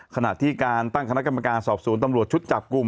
ขณะที่การตั้งคณะกรรมการสอบสวนตำรวจชุดจับกลุ่ม